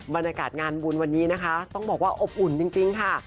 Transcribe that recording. บรรยากาศงานบุญวันนี้นะคะต้องบอกว่าอบอุ่นจริงค่ะ